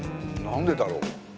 何でだろう？